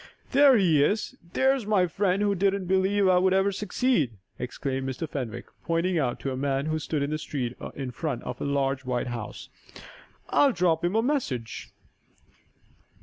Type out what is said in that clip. "There he is! There's my friend who didn't believe I would ever succeed!" exclaimed Mr. Fenwick, pointing to a man who stood in the street in front of a large, white house. "I'll drop him a message!"